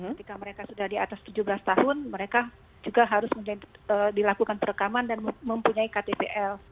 ketika mereka sudah di atas tujuh belas tahun mereka juga harus dilakukan perekaman dan mempunyai ktpl